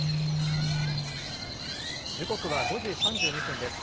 時刻は５時３２分です。